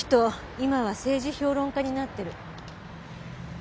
今は政治評論家になってる。